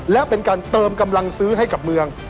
และเป็นการเติมกำลังซื้อให้กับเมือง